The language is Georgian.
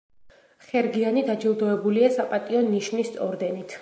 ხერგიანი დაჯილდოებულია „საპატიო ნიშნის“ ორდენით.